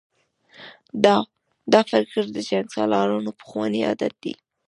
دا فکر د جنګسالارانو پخوانی عادت دی.